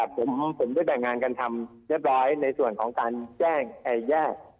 ผมได้แบ่งงานกันทำเรียบร้อยในส่วนของการแจ้งแยก